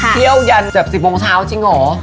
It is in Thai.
เที่ยวยันจับสิบโมงเช้าจริงหรอ